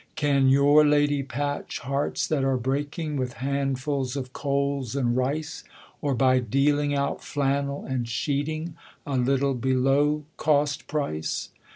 'Can your lady patch hearts that are breaking With handfuls of coals and rice, Or by dealing out flannel and sheeting A little below cost price?